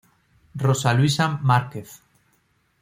Rosa Luisa Márquez.